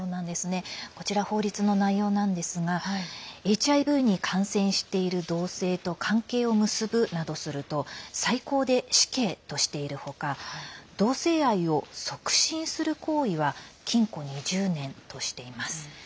こちら法律の内容なんですがＨＩＶに感染している同性と関係を結ぶなどすると最高で死刑としている他同性愛を促進する行為は禁錮２０年としています。